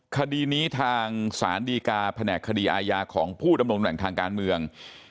คดีนี้ทางศาลดีกาแผนกคดีอาญาของผู้ดำรงตำแหน่งทางการเมือง